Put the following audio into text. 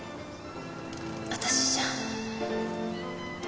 私じゃ。